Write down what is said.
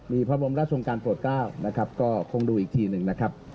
มีพระบรมราชงการโปรด๙นะครับก็คงดูอีกทีหนึ่งนะครับ